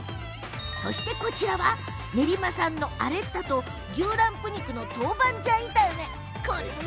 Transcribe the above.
そして、こちらは練馬産のアレッタと牛ランプ肉の豆板醤炒め。